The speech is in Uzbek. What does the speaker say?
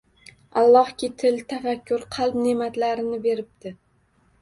Allohki til, tafakkur, qalb neʼmatlarini beribdi